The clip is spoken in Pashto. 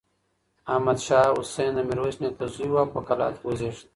احمد شاه حسين د ميرويس نيکه زوی و او په کلات کې وزېږېد.